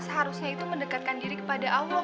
seharusnya itu mendekatkan diri kepada allah